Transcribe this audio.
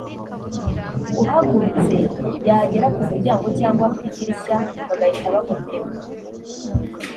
uhagurutse yagera ku muryango cyangwa ku idirishya bagahita bamutema